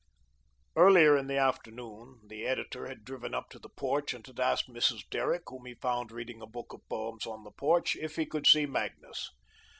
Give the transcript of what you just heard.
Earlier in the afternoon, the editor had driven up to the porch and had asked Mrs. Derrick, whom he found reading a book of poems on the porch, if he could see Magnus.